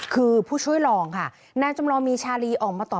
คือผู้ช่วยรองแนชมลักษณ์มีชาลีออกมาตอบโต้เรื่องนี้